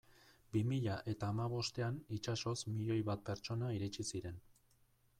Bi mila eta hamabostean itsasoz milioi bat pertsona iritsi ziren.